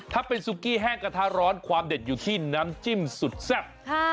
ถ้าเป็นซุกี้แห้งกระทะร้อนความเด็ดอยู่ที่น้ำจิ้มสุดแซ่บ